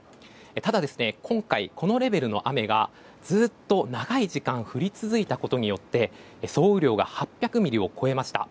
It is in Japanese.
ただ、今回このレベルの雨がずっと長い時間降り続いたことによって総雨量が８００ミリを超えました。